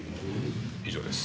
以上です。